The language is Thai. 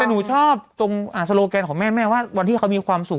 แต่หนูชอบตรงโซโลแกนของแม่แม่ว่าวันที่เขามีความสุข